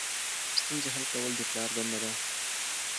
ستونزې حل کول د پلار دنده ده.